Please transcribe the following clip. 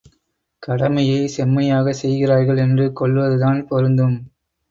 கடமையைச் செம்மையாகச் செய்கிறார்கள் என்று கொல்வதுதான் பொருந்தும்.